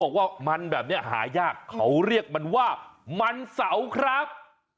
บอกว่ามันแบบนี้หายากเขาเรียกมันว่ามันเสาครับ